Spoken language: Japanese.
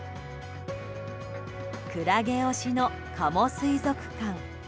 クラゲ推しの加茂水族館。